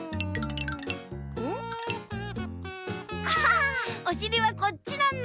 おしりはこっちなのだ。